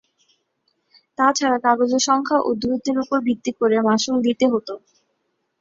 তাছাড়া কাগজের সংখ্যা ও দূরত্ব উপর ভিত্তি করে মাশুল দিতে হত।